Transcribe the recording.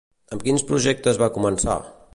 Amb quins projectes va començar?